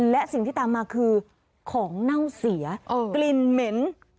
และสิ่งที่ตามมาคือของเน่าเสียกลิ่นเหม็น